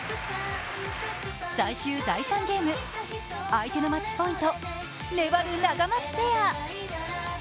最終第３ゲーム相手のマッチポイント、粘るナガマツペア。